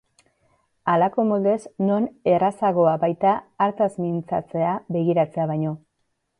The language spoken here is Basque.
Halako moldez, non errazagoa baita hartaz mintzatzea begiratzea baino.